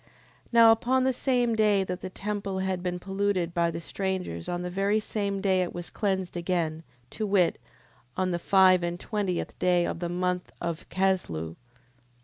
10:5. Now upon the same day that the temple had been polluted by the strangers on the very same day it was cleansed again; to wit, on the five and twentieth day of the month of Casleu.